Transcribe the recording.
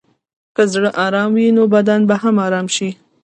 که زړه ارام وي، نو بدن به هم ارام شي.